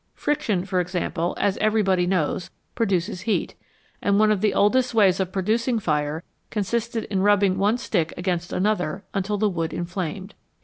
Friction, for example, as everybody knows, produces heat, and one of the oldest ways of producing fire consisted in rubbing one stick against another until the wood inflamed.